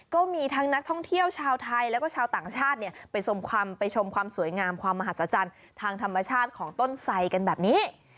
ก็มีทั้งนักท่องเที่ยวชาวไทยแล้วก็ชาวต่างชาติเนี่ยไปชมความสวยงามความมหัศจรรย์ทางธรรมชาติของต้นไสกันแบบนี้